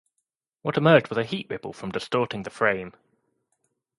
What emerged was a "heat ripple" from "distorting the frame".